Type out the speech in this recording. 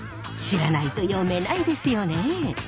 知らないと読めないですよね。